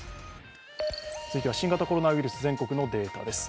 続いては新型コロナウイルス全国のデータです。